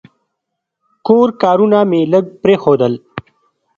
کور کارونه مې لږ پرېښودل.